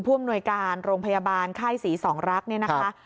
ผู้อำนวยการโรงพยาบาลไข้สีสองรักเนี่ยนะคะ